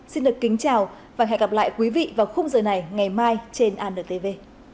xin được kính chào và hẹn gặp lại quý vị vào khung giờ này ngày mai trên antv